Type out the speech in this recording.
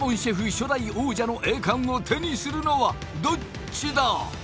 初代王者の栄手にするのはどっちだ？